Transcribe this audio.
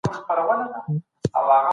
تاسو د غريبانو غوښتنې پوره کړئ.